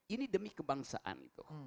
ini demi kebangsaan